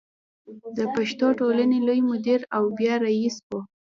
د پښتو ټولنې لوی مدیر او بیا رئیس و.